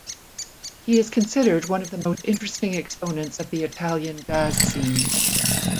He is considered one of the most interesting exponents of the Italian jazz scene.